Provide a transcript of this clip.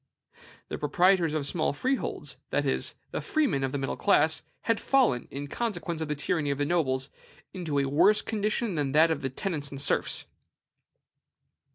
The proprietors of small freeholds, that is, the freemen of the middle class, had fallen, in consequence of the tyranny of the nobles, into a worse condition than that of the tenants and serfs.